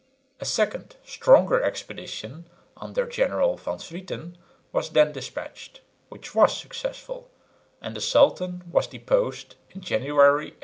A second stronger expedition under General van Swieten was then dispatched, which was successful; and the sultan was deposed in January, 1874.